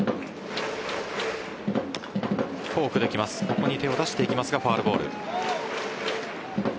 ここに手を出していきますがファウルボール。